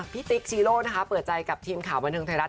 ติ๊กชีโร่นะคะเปิดใจกับทีมข่าวบันเทิงไทยรัฐ